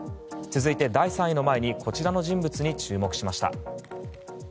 続いて、第３位の前にこちらの人物に注目しました。